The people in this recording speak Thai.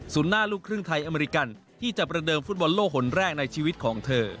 หน้าลูกครึ่งไทยอเมริกันที่จะประเดิมฟุตบอลโลกคนแรกในชีวิตของเธอ